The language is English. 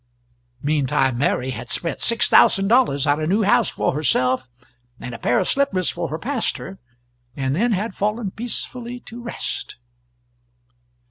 Meantime Mary had spent six thousand dollars on a new house for herself and a pair of slippers for her pastor, and then had fallen peacefully to rest.